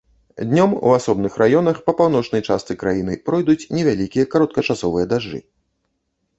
Днём у асобных раёнах па паўночнай частцы краіны пройдуць невялікія кароткачасовыя дажджы.